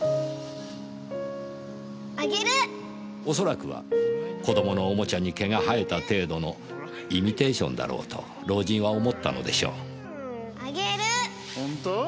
おそらくは子供のおもちゃに毛が生えた程度のイミテーションだろうと老人は思ったのでしょう。